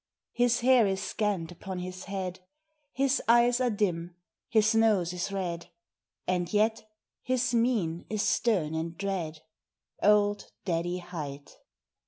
His hair is scant upon his head, His eyes are dim, his nose is red, And yet, his mien is stern and dread Old Daddy Hight.